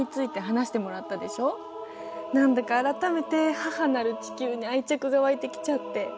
何だか改めて母なる地球に愛着がわいてきちゃって。